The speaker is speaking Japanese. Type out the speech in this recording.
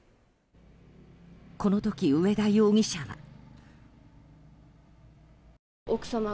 この時、上田容疑者は。